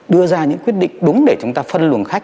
đưa ra những quyết định đúng để chúng ta phân luồng khách